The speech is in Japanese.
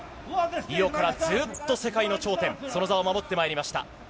リオからずっと世界の頂点、その座を守ってまいりました。